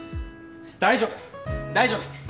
大丈夫大丈夫